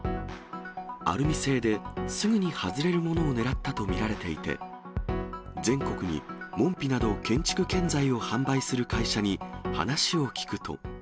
アルミ製で、すぐに外れるものを狙ったと見られていて、全国に門扉など建築建材を販売する会社に、話を聞くと。